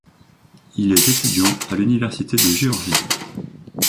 Il est étudiant à l'université de Géorgie.